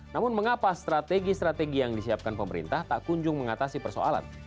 namun mengapa strategi strategi yang disiapkan pemerintah tak kunjung mengatasi persoalan